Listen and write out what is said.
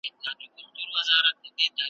مدرسې یې د ښارونو کړلې بندي `